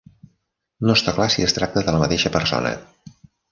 No està clar si es tracta de la mateixa persona.